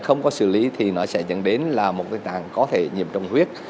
không có xử lý thì nó sẽ dẫn đến là một tình trạng có thể nhiễm trong huyết